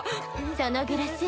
そのグラス